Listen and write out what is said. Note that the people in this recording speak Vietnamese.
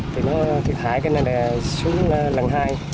thì nó thiệt hại cái này xuống lần hai